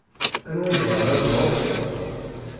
Anwa ibɣan ad ruḥ?.